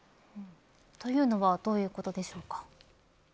というのはどういうことでしょうか。